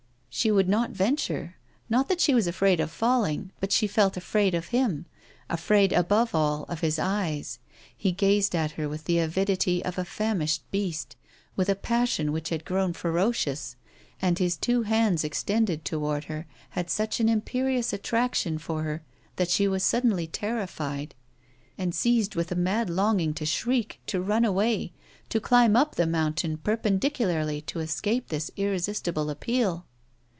She would not venture. Not that she was afraid of falling, but she felt afraid of him, afraid above all of his eyes. He gazed at her with the avidity of a famished beast, with a passion which had grown ferocious; and his two hands extended toward her had such an imperious attraction for her that she was suddenly terrified and seized with a mad longing to shriek, to run away, to climb up the mountain perpendicularly to escape this irresistible appeal.